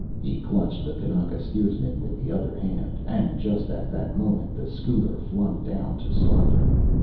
He clutched the kanaka steersman with his other hand; and just at that moment the schooner flung down to starboard.